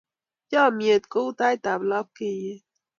Chomnyet kou taitab lapkeiyet.